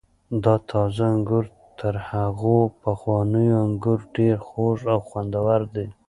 دا تازه انګور تر هغو پخوانیو انګور ډېر خوږ او خوندور دي.